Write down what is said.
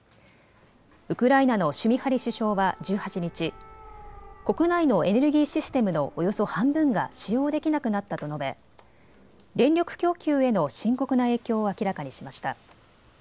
ウクライナのシュミハリ首相は１８日、国内のエネルギーシステムのおよそ半分が使用できなくなったと述べ、電力供給への深刻な影響を明らかにしました。